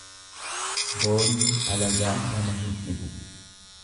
Boonyi alagaa nama hin dhibu.